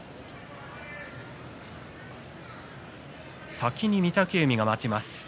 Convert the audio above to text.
先に御嶽海が待ちます。